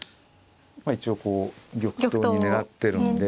まあ一応こう玉頭を狙ってるんで。